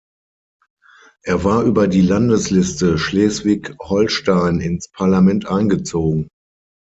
Er war über die Landesliste Schleswig-Holstein ins Parlament eingezogen.